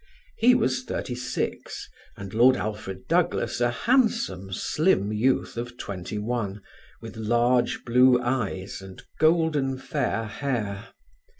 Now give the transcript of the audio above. He was thirty six and Lord Alfred Douglas a handsome, slim youth of twenty one, with large blue eyes and golden fair hair.